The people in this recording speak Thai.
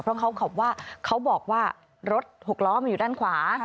เพราะเขาขับว่าเขาบอกว่ารถหกล้อมันอยู่ด้านขวา